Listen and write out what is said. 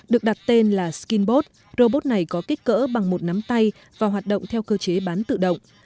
được đặt tên là skybbot robot robot này có kích cỡ bằng một nắm tay và hoạt động theo cơ chế bán tự động